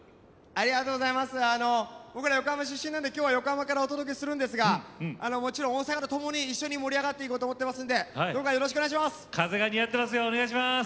僕らは横浜出身なので横浜からお届けするんですがもちろん大阪とともに盛り上がっていこうと思っていますので風が似合っていますよ。